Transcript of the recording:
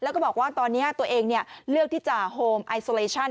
แล้วก็บอกว่าตอนนี้ตัวเองเลือกที่จะโฮมไอโซเลชั่น